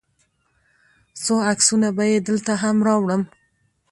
څو عکسونه به یې دلته هم راوړم.